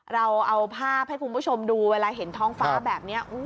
เราเอาภาพให้คุณผู้ชมดูเวลาเห็นท้องฟ้าแบบนี้